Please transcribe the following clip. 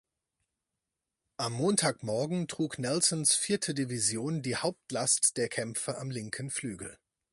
Am Montagmorgen trug Nelsons vierte Division die Hauptlast der Kämpfe am linken Flügel.